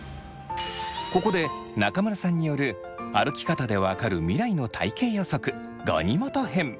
ここで中村さんによる歩き方でわかる未来の体型予測ガニ股編。